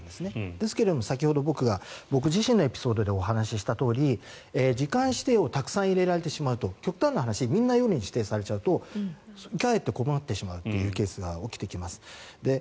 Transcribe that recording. ですが先ほど僕自身のエピソードでお話したとおり、時間指定をたくさん入れられてしまうと極端な話みんな時間指定されるとかえって困ってしまうケースが起きてきます。